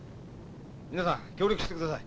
皆さん協力してください。